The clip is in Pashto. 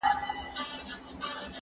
که وخت وي، ليک لولم!!